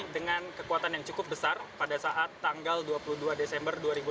dengan kekuatan yang cukup besar pada saat tanggal dua puluh dua desember dua ribu delapan belas